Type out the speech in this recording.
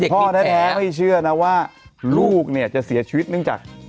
พ่อแท้ไม่เชื่อนะว่าลูกเนี่ยจะเสียชีวิตเนื่องจาก